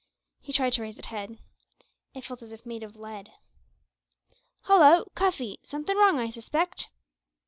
He tried to raise his head it felt as if made of lead. "Hallo! Cuffy, somethin' wrong I suspect!"